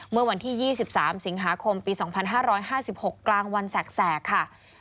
เมื่อวันที่๒๓สิงหาคมปี๒๕๕๖กลางวันแสกค่ะ